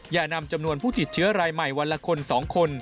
อย่านำจำนวนผู้ติดเชื้อรายใหม่วันละคน๒คน